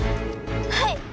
はい。